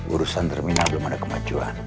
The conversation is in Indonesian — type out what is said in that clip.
urusan terminal belum ada kemajuan